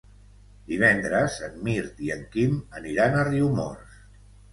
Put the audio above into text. Divendres en Mirt i en Quim aniran a Riumors.